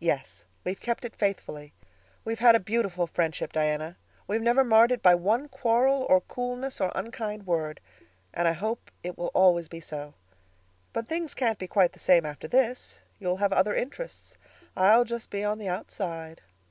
"Yes. We've kept it faithfully. We've had a beautiful friendship, Diana. We've never marred it by one quarrel or coolness or unkind word; and I hope it will always be so. But things can't be quite the same after this. You'll have other interests. I'll just be on the outside.